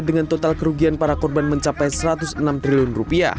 dengan total kerugian para korban mencapai rp satu ratus enam triliun